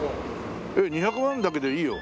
えっ２００万だけでいいよ。